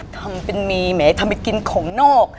ทำเป็นมีแหมทำไปกินของนอก